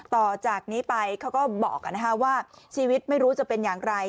ต่อจากนี้ไปเขาก็บอกว่าชีวิตไม่รู้จะเป็นอย่างไร